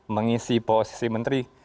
mengisi posisi menteri